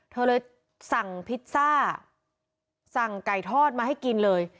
เธอเลยสั่งพิซซ่าสั่งไก่ทอดมาให้กินเลย